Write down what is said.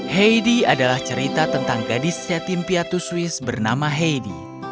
heidi adalah cerita tentang gadis yatim piatu swiss bernama heidi